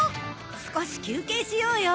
少し休憩しようよ。